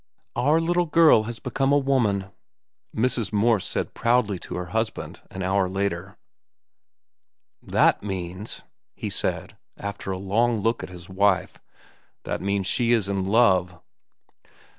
"Our little girl has become a woman," Mrs. Morse said proudly to her husband an hour later. "That means," he said, after a long look at his wife, "that means she is in love."